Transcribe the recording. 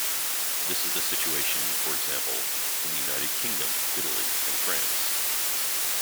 This is the situation, for example, in the United Kingdom, Italy and France.